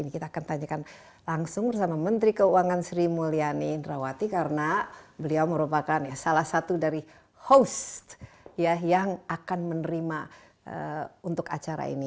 kita akan tanyakan langsung bersama menteri keuangan sri mulyani indrawati karena beliau merupakan salah satu dari host yang akan menerima untuk acara ini